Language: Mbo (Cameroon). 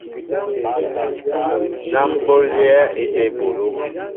Ná ḿ ɓolɛέ éjem eɓoló.